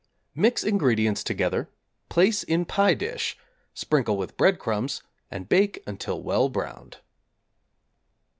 Mix ingredients together, place in pie dish, sprinkle with breadcrumbs, and bake until well browned.